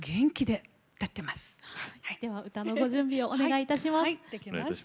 では歌のご準備をお願いいたします。